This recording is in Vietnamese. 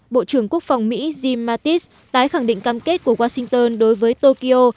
bộ trưởng quốc phòng mỹ jim mattis tái khẳng định cam kết của washington đối với tokyo